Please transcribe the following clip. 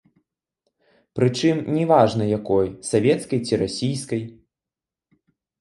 Прычым, не важна якой, савецкай ці расійскай.